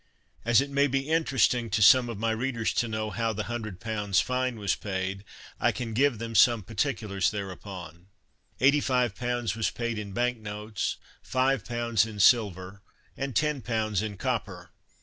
As it may be interesting to some of my readers to know how the 100 pounds fine was paid, I can give them some particulars thereupon, 85 pounds was paid in bank notes, 5 pounds in silver, and 10 pounds in copper.